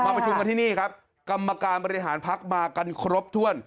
ประชุมกันที่นี่ครับกรรมการบริหารพักมากันครบถ้วน